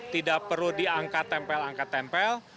tidak perlu diangkat tempel angkat tempel